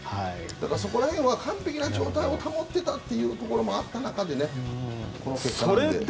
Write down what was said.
だから、そこら辺は完璧な状態を保っていたという中でこの結果なので。